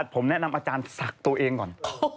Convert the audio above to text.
ผมแนะนำอาจารย์ศักดิ์ตัวเองก่อน